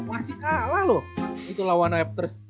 masih kalah loh itu lah one afters